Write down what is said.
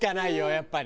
やっぱり。